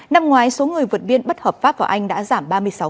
năm ngoái số người vật biển bất hợp pháp vào anh đã giảm ba mươi sáu